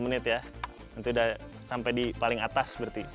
sepuluh menit ya nanti udah sampai di paling atas berarti